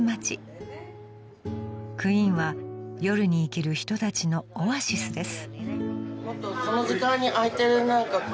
［クインは夜に生きる人たちのオアシスです］